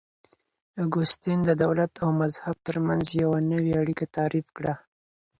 اګوستين د دولت او مذهب ترمنځ يوه نوې اړيکه تعريف کړه.